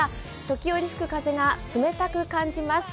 時折吹く風が冷たく感じます。